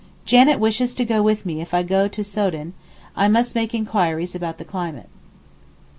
Janet wishes to go with me if I go to Soden, I must make enquiries about the climate.